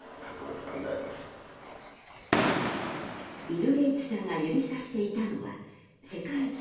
ビル・ゲイツさんが指さしていたのは世界一